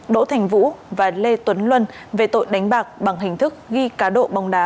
đỗ thành vũ và lê tuấn luân về tội đánh bạc bằng hình thức ghi cá độ bóng đá